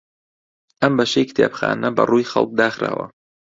ئەم بەشەی کتێبخانە بەڕووی خەڵک داخراوە.